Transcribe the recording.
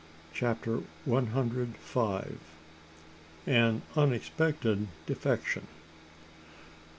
CHAPTER ONE HUNDRED FIVE. AN UNEXPECTED DEFECTION.